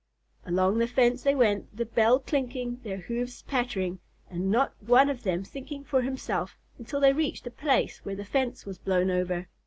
Along the fence they went, the bell clinking, their hoofs pattering, and not one of them thinking for himself, until they reached a place where the fence was blown over.